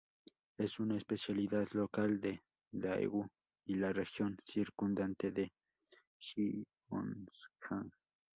Es una especialidad local de Daegu y la región circundante de Gyeongsang.